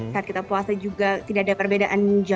saat kita puasa juga tidak ada perbedaan